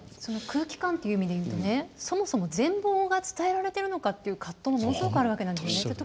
その空気感という意味で言うとねそもそも全貌が伝えられてるのかっていう葛藤もものすごくあるわけなんですよね。